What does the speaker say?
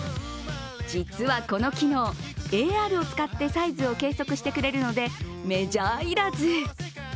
実はこの機能、ＡＲを使ってサイズを計測してくれるので、メジャー要らず。